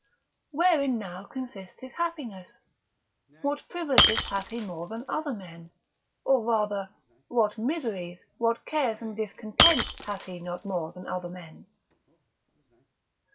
Wherein now consists his happiness? what privileges hath he more than other men? or rather what miseries, what cares and discontents hath he not more than other men?